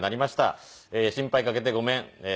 心配かけてごめん。